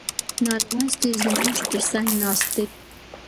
نالوستي زموږ تر څنګ ناست دي.